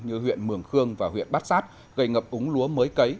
như huyện mường khương và huyện bát sát gây ngập úng lúa mới cấy